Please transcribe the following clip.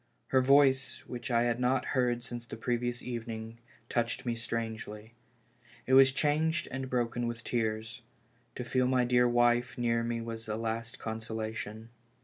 Her voice, which I had not heard since the previous evening, touched me strangely. It was changed and broken with tears. To feel my dear wife near me was a last consolation.